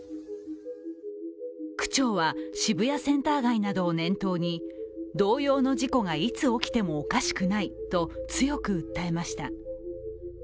区長は渋谷センター街などを念頭に同様の事故がいつ起きてもおかしくないと強く訴えました。